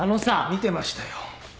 見てましたよ。